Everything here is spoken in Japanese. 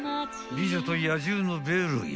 ［『美女と野獣』のベルや］